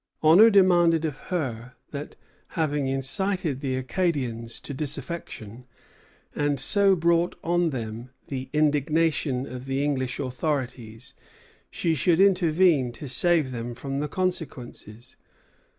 Honor demanded of her that, having incited the Acadians to disaffection, and so brought on them the indignation of the English authorities, she should intervene to save them from the consequences.